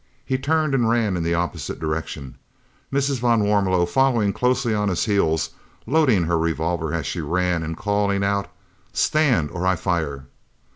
He turned and ran in the opposite direction, Mrs. van Warmelo following closely on his heels, loading her revolver as she ran and calling out, "Stand, or I fire."